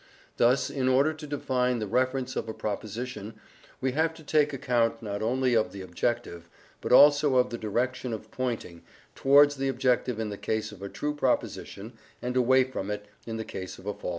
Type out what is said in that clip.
Thus, in order to define the reference of a proposition we have to take account not only of the objective, but also of the direction of pointing, towards the objective in the case of a true proposition and away from it in the case of a false one.